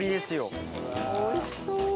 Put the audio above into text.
おいしそう。